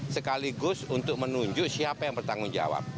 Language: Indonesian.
sekaligus untuk menunjuk siapa yang bertanggung jawab